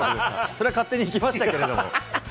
そりゃ、勝手に行きましたけど。